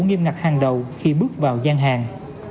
nghiêm ngặt hàng đầu khi bước vào gian hàng